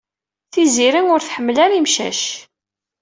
Tiziri ur tḥemmel ara imcac.